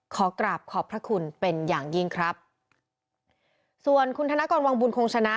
ขอกราบขอบพระคุณเป็นอย่างยิ่งครับส่วนคุณธนกรวังบุญคงชนะ